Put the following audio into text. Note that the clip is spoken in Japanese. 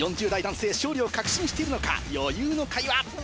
４０代男性勝利を確信しているのか余裕の会話。